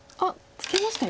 ツケました。